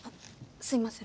すいません。